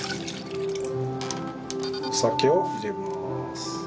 酒を入れます。